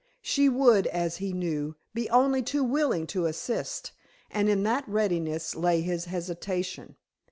She would, as he knew, be only too willing to assist, and in that readiness lay his hesitation.